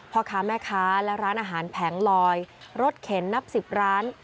พ่อค้าแม่ค้าและร้านอาหารแผงลอยรถเข็นนับ๑๐ร้าน